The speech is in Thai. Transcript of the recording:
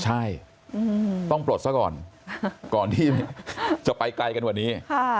ใช่ต้องปลดซะก่อนก่อนที่จะไปไกลกันกว่านี้